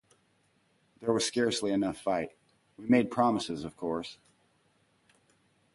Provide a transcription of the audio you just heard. There was scarcely enough fighting; we made promises, of course.